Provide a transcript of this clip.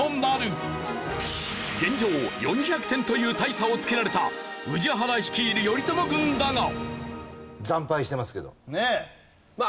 現状４００点という大差をつけられた宇治原率いる頼朝軍だが。